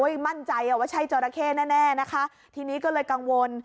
มั่นใจอ่ะว่าใช่จราเข้แน่แน่นะคะทีนี้ก็เลยกังวล